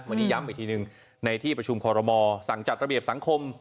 วันนี้ย้ำอีกทีหนึ่งในที่ประชุมคอรมอสั่งจัดระเบียบสังคม